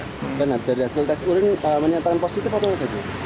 dari hasil tes urin menyatakan positif atau negatif